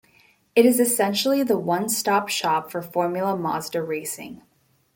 It is essentially the one-stop shop for Formula Mazda Racing.